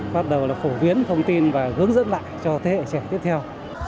bắt đầu là phổ biến thông tin và hướng dẫn lại cho thế hệ trẻ tiếp theo